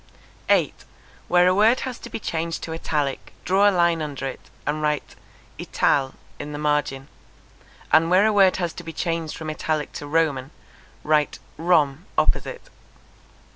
8. Where a word has to be changed to Italic, draw a line under it, and write Ital. in the margin; and where a word has to be changed from Italic to Roman, write Rom. opposite.